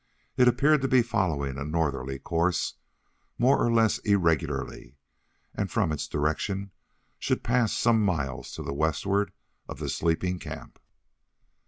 It appeared to be following a northerly course, more or less irregularly, and from its direction, should pass some miles to the westward of the sleeping camp.